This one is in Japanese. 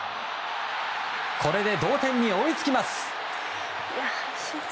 これで同点に追いつきます。